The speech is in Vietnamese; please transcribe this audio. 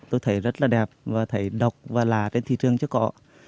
tôi thấy rất là đẹp và thấy độc và là trên thị trường chưa có